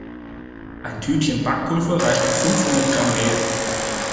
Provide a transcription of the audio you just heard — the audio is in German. Ein Tütchen Backpulver reicht für fünfhundert Gramm Mehl.